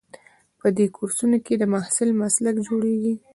په دې کورسونو کې د محصل مسلک جوړیږي.